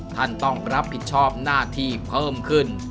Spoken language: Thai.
ท่านต้องรับผิดชอบหน้าที่เพิ่มขึ้น